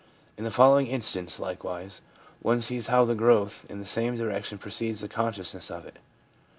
In the following instance, likewise, one sees how the growth in the same direction precedes the consciousness of it.